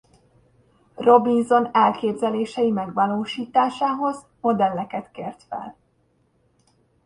Robinson elképzelései megvalósításához modelleket kért fel.